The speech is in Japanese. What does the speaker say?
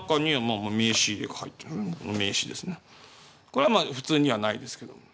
これはまあ普通にはないですけども。